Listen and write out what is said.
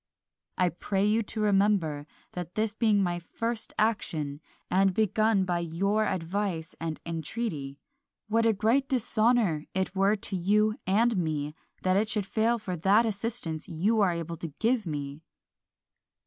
I pray you to remember, that this being my first action, and begun by your advice and entreaty, what a great dishonour it were to you and me that it should fail for that assistance you are able to give me!